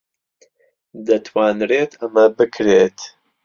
دەتوانرێت ئەمە بکرێت.